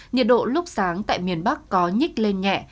nhiệt độ lúc sáng tại miền bắc có nhích lên nhẹ